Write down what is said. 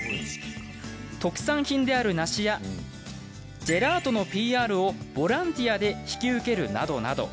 特産品である梨やジェラートのＰＲをボランティアで引き受けるなどなど。